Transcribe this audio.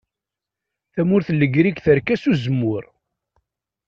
Tamurt n Legrig terka s uzemmur.